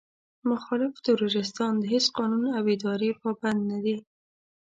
مخالف تروريستان د هېڅ قانون او ادارې پابند نه دي.